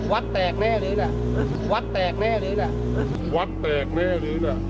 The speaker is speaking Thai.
วัดแตกแน่เลยนะวัดแตกแน่เลยนะ